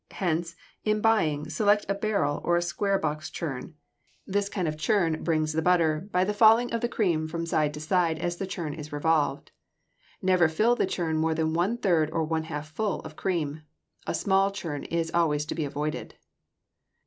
Hence, in buying, select a barrel or a square box churn. This kind of churn "brings the butter" by the falling of the cream from side to side as the churn is revolved. Never fill the churn more than one third or one half full of cream. A small churn is always to be avoided.